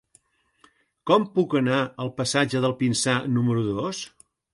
Com puc anar al passatge del Pinsà número dos?